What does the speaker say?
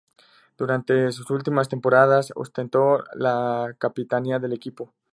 Durante sus últimas temporadas ostentó la capitanía del equipo.